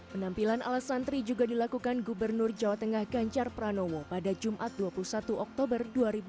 penampilan ala santri juga dilakukan gubernur jawa tengah ganjar pranowo pada jumat dua puluh satu oktober dua ribu dua puluh